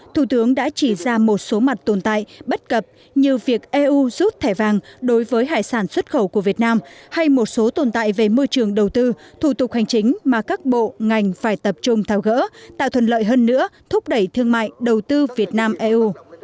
thủ tướng đã chỉ ra một số mặt tồn tại bất cập như việc eu rút thẻ vàng đối với hải sản xuất khẩu của việt nam hay một số tồn tại về môi trường đầu tư thủ tục hành chính mà các bộ ngành phải tập trung thao gỡ tạo thuận lợi hơn nữa thúc đẩy thương mại đầu tư việt nam eu